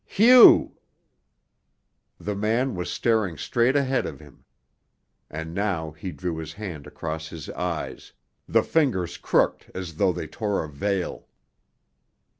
Hugh!" The man was staring straight ahead of him, and now he drew his hand across his eyes, the fingers crooked as though they tore a veil.